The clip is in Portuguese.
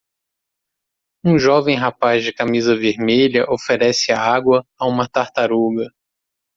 Um jovem rapaz de camisa vermelha oferece água a uma tartaruga.